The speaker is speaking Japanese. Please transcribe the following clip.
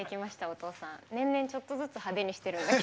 父さん年々ちょっとずつ派手にしてるんです。